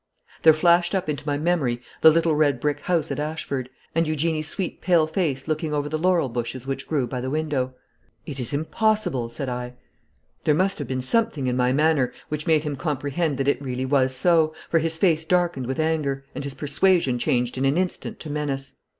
There flashed up into my memory the little red brick house at Ashford, and Eugenie's sweet pale face looking over the laurel bushes which grew by the window. 'It is impossible!' said I. There must have been something in my manner which made him comprehend that it really was so, for his face darkened with anger, and his persuasion changed in an instant to menace.